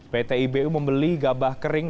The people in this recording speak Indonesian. pt ibu membeli gabah kering